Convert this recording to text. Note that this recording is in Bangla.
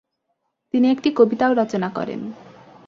তিনি একটি কবিতাও রচনা করেন।